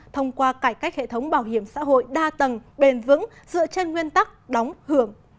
thông qua cải cách hệ thống bảo hiểm xã hội đa tầng bền vững dựa trên nguyên tắc đóng hưởng